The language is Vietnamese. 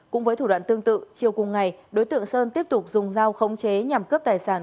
cũng với thủ đoạn tương tự chiều cùng ngày đối tượng sơn tiếp tục dùng dao khống chế nhằm cướp tài sản